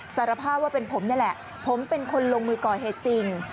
สารภาพว่าเป็นผมนี่แหละผมเป็นคนลงมือก่อเหตุจริง